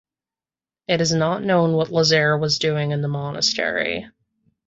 It is not known what Lazier was doing in the monastery.